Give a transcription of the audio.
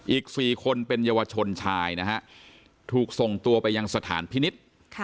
อีก๔คนเป็นเยาวชนชายนะฮะถูกส่งตัวไปยังสถานพินิษฐ์